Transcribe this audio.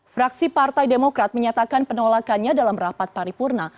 fraksi partai demokrat menyatakan penolakannya dalam rapat paripurna